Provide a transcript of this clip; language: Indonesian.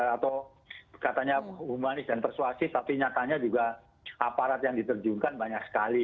atau katanya humanis dan persuasif trabaj aparat yang ditetapkan banyak sekali